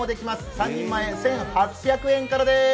３人前１８００円からです。